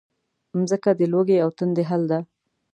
مځکه د لوږې او تندې حل ده.